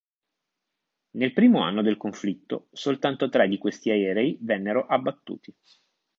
Nel primo anno del conflitto soltanto tre di questi aerei vennero abbattuti.